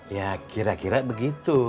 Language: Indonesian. ya kira kira begitu